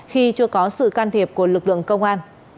khi chưa có sự can thiệp của lực lượng công an